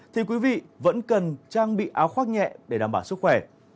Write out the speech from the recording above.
thì quý vị vẫn cần trang bị áo khoác nhẹ để đảm bảo sức khỏe